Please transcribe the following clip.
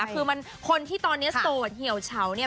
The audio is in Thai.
คือมันคนที่ตอนนี้โสดเหี่ยวเฉาเนี่ย